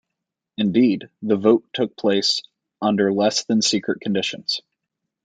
Indeed, the vote took place under less-than-secret conditions.